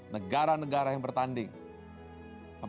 negara negara indonesia diem pada usia rp enam